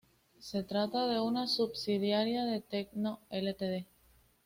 Se trata de una subsidiaria de Tecmo, Ltd.